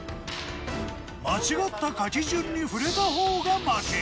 間違った書き順にふれた方が負け。